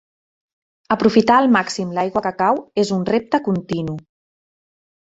Aprofitar al màxim l'aigua que cau és un repte continu.